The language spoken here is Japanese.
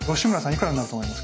いくらになると思いますか？